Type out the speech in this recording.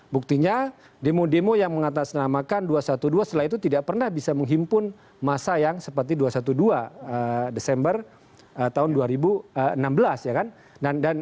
buktinya demo demo yang mengatasnamakan dua ratus dua belas setelah itu tidak pernah bisa menghimpun masa yang seperti dua ratus dua belas desember tahun dua ribu enam belas ya kan